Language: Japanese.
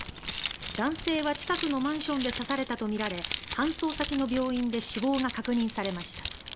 男性は近くのマンションで刺されたとみられ搬送先の病院で死亡が確認されました。